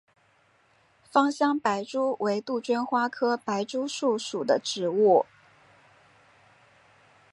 芳香白珠为杜鹃花科白珠树属的植物。